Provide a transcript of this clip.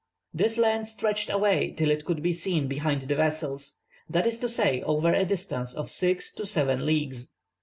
This land stretched away till it could be seen behind the vessels, that is to say, over a distance of six to seven leagues.